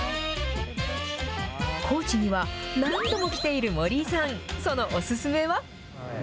高知には何度も来ている森井さん、そのお勧めは。